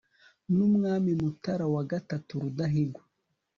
w'umwami mutara iii rudahigwa